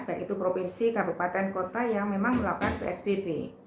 baik itu provinsi kabupaten kota yang memang melakukan psbb